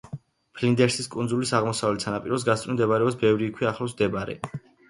ფლინდერსის კუნძულის აღმოსავლეთ სანაპიროს გასწვრივ მდებარეობს ბევრი იქვე ახლოს მდებარე ლაგუნა.